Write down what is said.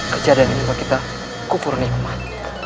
kejadian ini membuat kita kufurnikmat